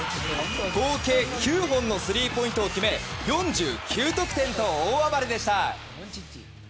合計９本のスリーポイントを決め４９得点と大暴れでした。